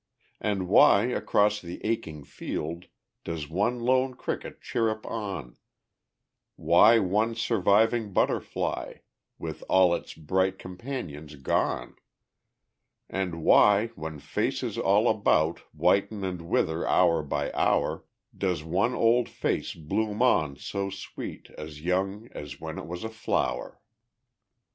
And why, across the aching field, Does one lone cricket chirrup on; Why one surviving butterfly, With all its bright companions gone? And why, when faces all about Whiten and wither hour by hour, Does one old face bloom on so sweet, As young as when it was a flower_?